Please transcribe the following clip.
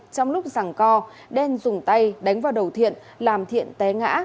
trong lúc rằng co đen dùng tay đánh vào đầu thiện làm thiện té ngã